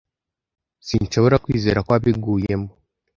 Sinshobora kwizera ko wabiguyemo.